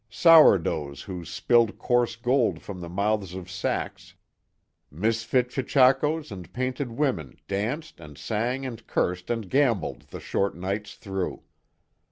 Sourdoughs who spilled coarse gold from the mouths of sacks, misfit chechakos, and painted women, danced, and sang, and cursed, and gambled, the short nights through.